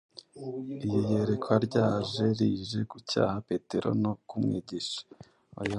Iri yerekwa ryaje rije gucyaha Petero no kumwigisha.